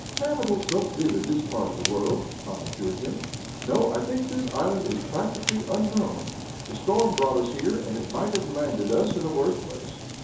"Cannibals don't live in this part of the world," Tom assured him. "No, I think this island is practically unknown. The storm brought us here, and it might have landed us in a worse place."